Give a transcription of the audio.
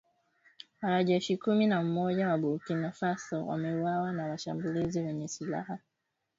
Wanajeshi kumi na mmoja wa Burkina Faso wameuawa na washambulizi wenye silaha